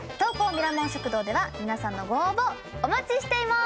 ミラモン食堂では皆さんのご応募お待ちしています。